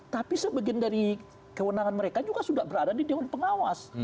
tapi sebagian dari kewenangan mereka juga sudah berada di dewan pengawas